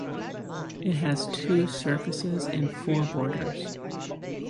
It has two surfaces and four borders.